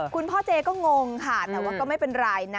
คุณพ่อเจก็งงค่ะแต่ว่าก็ไม่เป็นไรนะ